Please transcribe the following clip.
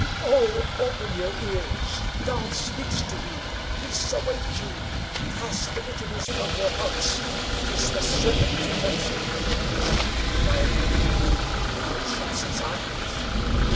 "Oh, open your ears! God speaks to you; peace awaits you! Cast the bitterness from your hearts; it is the serpent poison. While you hate, God shuts His eyes.